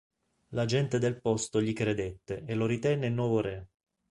La gente del posto gli credette e lo ritenne il nuovo re.